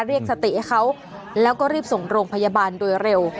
เรียกสติให้เขาแล้วก็รีบส่งโรงพยาบาลโดยเร็ว